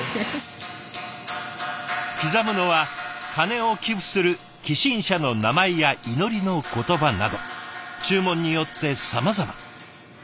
刻むのは鐘を寄付する寄進者の名前や祈りの言葉など注文によってさまざま。